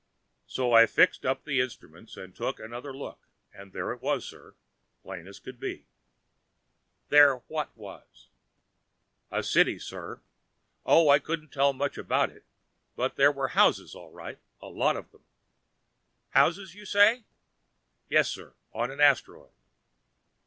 "So I fixed up the instruments and took another look, and there it was, sir, plain as could be!" "There what was?" "The city, sir. Oh, I couldn't tell much about it, but there were houses, all right, a lot of them." "Houses, you say?" "Yes sir, on an asteroid."